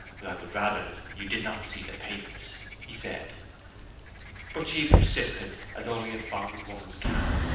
'I would rather you did not see the papers,' he said. But she persisted as only a fond woman can.